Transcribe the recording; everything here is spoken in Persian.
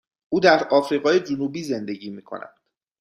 او در آفریقای جنوبی زندگی می کند.